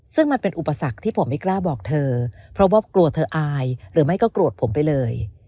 ซึ่งมันเป็นอุปสรรคที่ผมไม่กล้าบอกเธอเพราะว่ากลัวเธออายหรือไม่ก็โกรธผมไปเลย